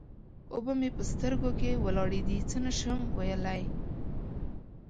اوبه مې په سترګو کې ولاړې دې؛ څه نه شم ويلای.